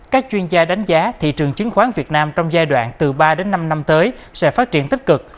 các chuyên gia đánh giá thị trường chứng khoán việt nam trong giai đoạn từ ba đến năm năm tới sẽ phát triển tích cực